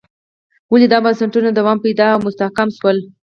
ولې دا بنسټونه دوام پیدا او مستحکم شول.